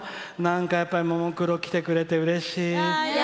なんか、でも、やっぱりももクロ、来てくれてうれしい。